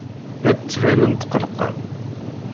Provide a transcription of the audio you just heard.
La d-ttbanen tqellqen.